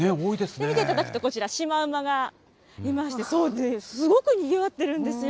見ていただくと、こちら、シマウマがいまして、すごくにぎわってるんですよ。